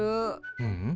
ううん。